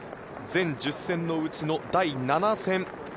全１０戦のうちの第７戦。